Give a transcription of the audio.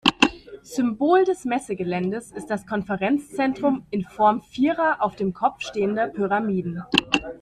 Symbol des Messegeländes ist das Konferenzzentrum in Form vierer auf dem Kopf stehender Pyramiden.